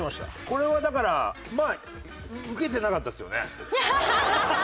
これはだからまあウケてなかったですよね一番。